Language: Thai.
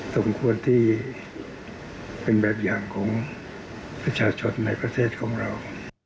สมควรที่เป็นแบบอย่างของประชาชนในประเทศของเรา